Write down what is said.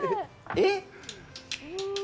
えっ？